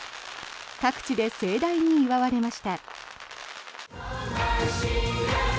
各地で盛大に祝われました。